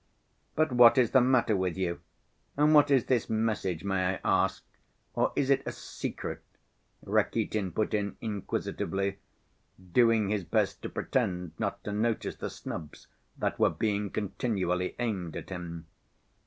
"But what is the matter with you? And what is this message, may I ask, or is it a secret?" Rakitin put in inquisitively, doing his best to pretend not to notice the snubs that were being continually aimed at him.